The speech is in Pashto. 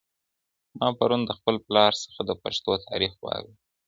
ما پرون د خپل پلار څخه د پښتو تاریخ واورېدی